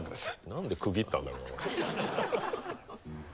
何で区切ったんだろうな。